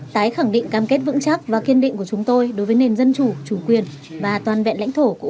tái khẳng định cam kết vững chắc và kiên định của chúng tôi đối với nền dân chủ chủ quyền và toàn vẹn lãnh thổ của ukraine